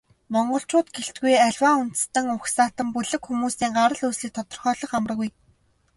Монголчууд гэлтгүй, аливаа үндэстэн угсаатан, бүлэг хүмүүсийн гарал үүслийг тодорхойлох амаргүй.